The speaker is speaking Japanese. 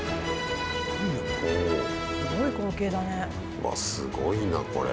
うわ、すごいな、これ。